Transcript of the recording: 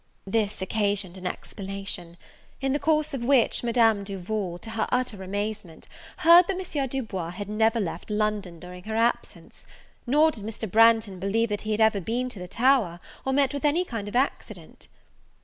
This occasioned an explanation; in the course of which Madame Duval, to her utter amazement, heard that M. Du Bois had never left London during her absence! nor did Mr. Branghton believe that he had ever been to the Tower, or met with any kind of accident.